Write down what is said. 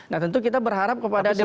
nah tentu kita berharap kepada dewan